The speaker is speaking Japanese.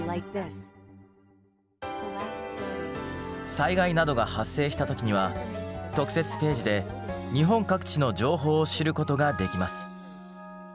災害などが発生した時には特設ページで日本各地の情報を知ることができます。